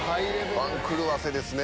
番狂わせですね